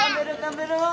食べる！